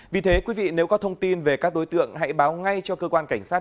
vì thế quý vị nếu có thông tin về các đối tượng hãy báo ngay cho cơ quan cảnh sát